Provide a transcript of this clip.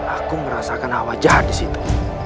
aku merasakan hawa jahat disitu